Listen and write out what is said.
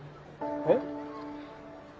えっ？